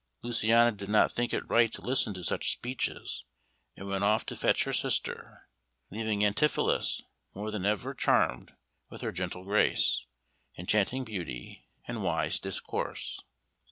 Luciana did not think it right to listen to such speeches, and went off to fetch her sister, leaving Antipholus more than ever charmed with her gentle grace, enchanting beauty, and wise discourse.